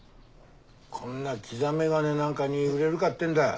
こんなキザメガネなんかに売れるかってんだ。